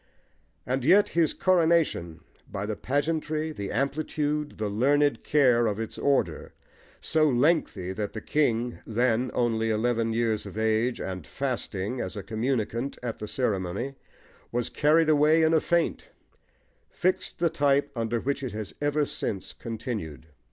And yet his coronation, by the pageantry, the amplitude, the learned care, of its order, so lengthy that the king, then only eleven years of age, and fasting, as a communicant at the ceremony, was carried away in a faint, fixed the type under which it has ever since continued.